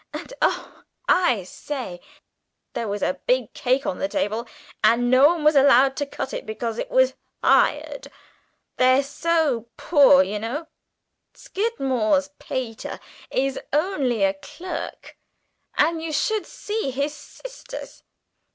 And, oh! I say, at supper there was a big cake on the table, and no one was allowed to cut it, because it was hired. They're so poor, you know. Skidmore's pater is only a clerk, and you should see his sisters!"